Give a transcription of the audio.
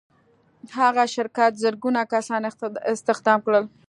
دغه شرکت زرګونه کسان استخدام کړل.